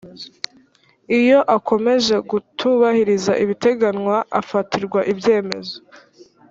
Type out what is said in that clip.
iyo akomeje kutubahiriza ibiteganywa afatirwa ibyemezo